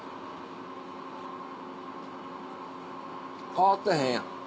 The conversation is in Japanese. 変わってへんやん。